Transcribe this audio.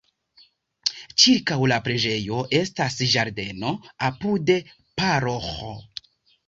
Ĉirkaŭ la preĝejo estas ĝardeno, apude paroĥo.